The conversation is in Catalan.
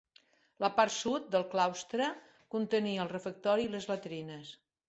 La part sud del claustre contenia el refectori i les latrines.